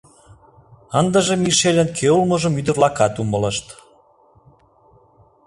Ындыже Мишельын кӧ улмыжым ӱдыр-влакат умылышт.